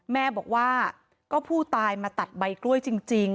แม่บอกว่าก็ผู้ตายมาตัดใบกล้วยจริง